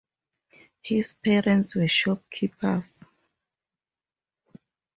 His parents were shopkeepers.